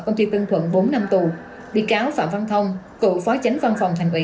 công ty tân thuận bốn năm tù bị cáo phạm văn thông cựu phó tránh văn phòng thành ủy